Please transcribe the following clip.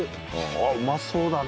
あっうまそうだね！